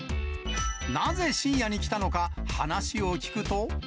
なぜ深夜に来たのか、話を聞くと。